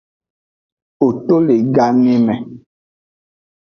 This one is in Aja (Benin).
Ho to le kaneme.